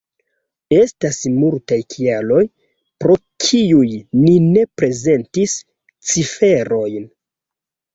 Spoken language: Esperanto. Estas multaj kialoj, pro kiuj ni ne prezentis ciferojn.